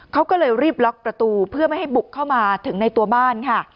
เขาก็เลยรีบล็อกประตูเพื่อไม่ให้บุกเข้ามาถึงในตัวบ้านค่ะ